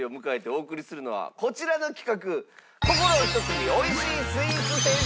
お送りするのはこちらの企画。